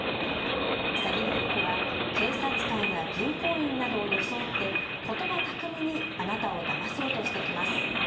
詐欺グループは警察官や銀行員などを装ってことば巧みにあなたをだまそうとしてきます。